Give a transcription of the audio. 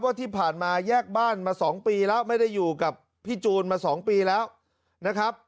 ที่ผ่านมาแยกบ้านมา๒ปีแล้วไม่ได้อยู่กับพี่จูนมา๒ปีแล้วนะครับ